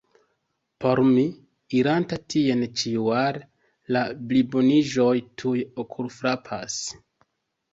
Por mi, iranta tien ĉiujare, la pliboniĝoj tuj okulfrapas.